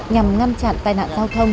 nhằm ngăn chặn tai nạn giao thông